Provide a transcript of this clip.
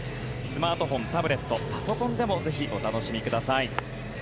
スマートフォン、タブレットパソコンでもぜひお楽しみください。